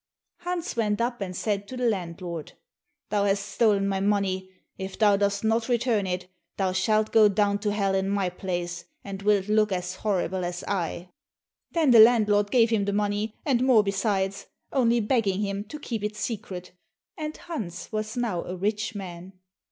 Hans went up and said to the landlord, "Thou hast stolen my money; if thou dost not return it, thou shalt go down to hell in my place, and wilt look as horrible as I." Then the landlord gave him the money, and more besides, only begging him to keep it secret, and Hans was now a rich man.